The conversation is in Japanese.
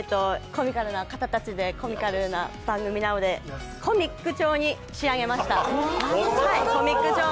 コミカルな方たちでコミカルな番組なのでコミック調に作りました。